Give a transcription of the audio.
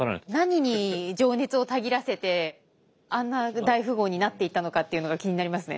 何に情熱をたぎらせてあんな大富豪になっていったのかっていうのが気になりますね。